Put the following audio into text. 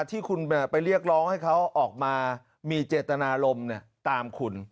ที่คุณไปเรียกร้องให้เขาออกมามีเจตนารมณ์ตามคุณ